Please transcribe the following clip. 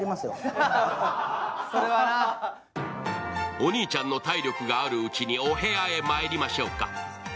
お兄ちゃんの体力があるうちにお部屋へまいりましょうか。